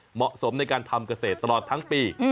เหมาะสมในการทำเกษตรตลอดทั้งปี